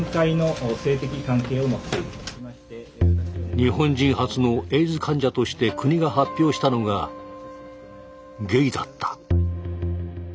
日本人初のエイズ患者として国が発表したのがゲイだった。